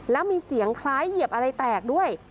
แล้วมีเสียงคล้ายเหยียบอะไรแตกด้วย